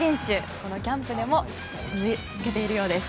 このキャンプでも続けているようです。